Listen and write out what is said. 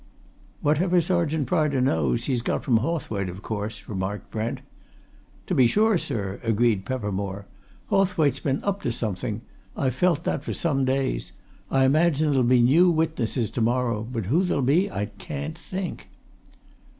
"Whatever Sergeant Pryder knows he's got from Hawthwaite, of course," remarked Brent. "To be sure, sir!" agreed Peppermore. "Hawthwaite's been up to something I've felt that for some days. I imagine there'll be new witnesses to morrow, but who they'll be I can't think."